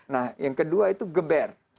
nah yang kedua itu geber